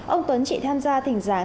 ông tuấn chỉ tham gia thỉnh giảng